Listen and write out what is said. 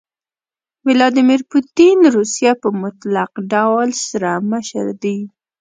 ويلاديمير پوتين روسيه په مطلق ډول سره مشر دي.